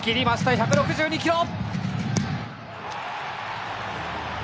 １６２キロ！